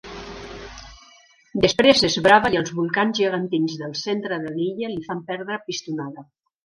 Després s'esbrava i els volcans gegantins del centre de l'illa li fan perdre pistonada.